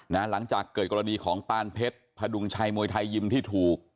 หลังจากเกิดกรณีของปานเพชรพดุงชัยมวยไทยยิมที่ถูก